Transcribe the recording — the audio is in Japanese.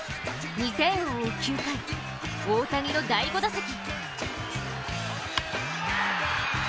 ２点を追う９回大谷の第５打席。